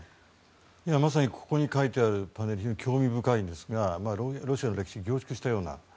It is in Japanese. まさにここに書いてるのは興味深いんですがロシアの歴史を凝縮したような。